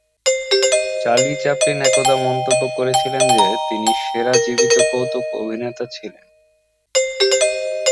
Charlie Chaplin একদা মন্তব্য করেছিলেন যে, তিনি সেরা জীবিত কৌতুক অভিনেতা ছিলেন।